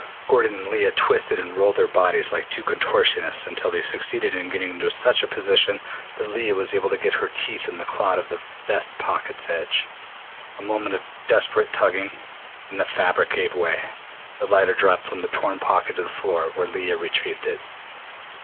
Gordon and Leah twisted and rolled their bodies like two contortionists until they succeeded in getting into such a position that Leah was able to get her teeth in the cloth of the vest pocket's edge. A moment of desperate tugging, then the fabric gave way. The lighter dropped from the torn pocket to the floor, where Leah retrieved it.